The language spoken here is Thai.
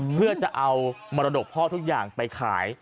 เพื่อจะเอามรดกพ่อทุกอย่างไปขาย